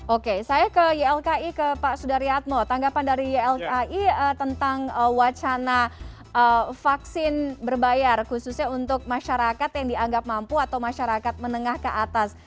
oke saya ke ylki ke pak sudaryatmo tanggapan dari ylki tentang wacana vaksin berbayar khususnya untuk masyarakat yang dianggap mampu atau masyarakat menengah ke atas